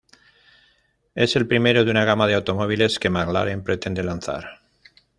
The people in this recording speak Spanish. Es el primero de una gama de automóviles que Mclaren pretende lanzar.